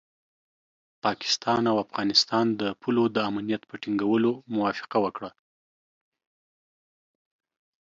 افغانستان او پاکستان د پولو د امنیت په ټینګولو موافقه وکړه.